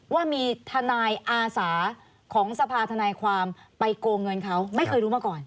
ว่ามีทนายอาสาของสภาธนายความไปโกงเงินเขาไม่เคยรู้มาก่อน